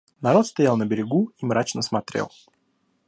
Народ стоял на берегу и мрачно смотрел.